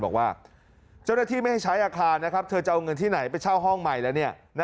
บอกว่าเจ้าหน้าที่ไม่ให้ใช้อาคารนะครับเธอจะเอาเงินที่ไหนไปเช่าห้องใหม่แล้ว